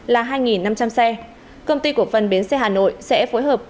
công ty cộng phần bến xe hà nội sẽ phối hợp